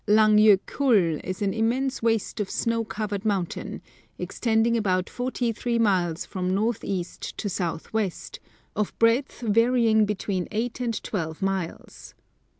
Lang Jokull is an immense waste of snow covered mountain, extending about forty three miles from north east to south west, of breadth varying between eight and twelve miles.